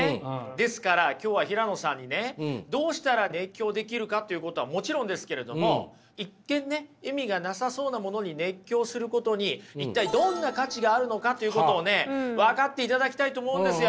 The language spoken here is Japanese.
ですから今日は平野さんにねどうしたら熱狂できるかということはもちろんですけれども一見ね意味がなさそうなものに熱狂することに一体どんな価値があるのかということを分かっていただきたいと思うんですよ。